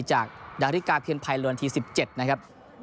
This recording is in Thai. จากดาฬิกาเพียนไพรลวนที๑๗นะครับ